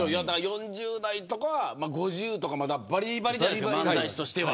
４０代とか５０とかまだばりばりじゃないですか漫才師としては。